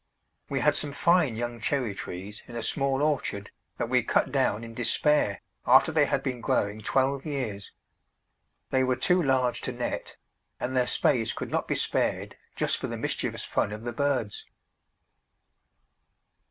We had some fine young cherry trees in a small orchard that we cut down in despair after they had been growing twelve years. They were too large to net, and their space could not be spared just for the mischievous fun of the birds.